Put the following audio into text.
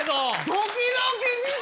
ドキドキした！